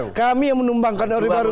nah kami yang menumbangkan orde baru